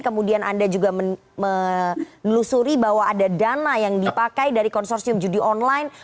kemudian anda juga menelusuri bahwa ada dana yang dipakai dari konsorsium judi online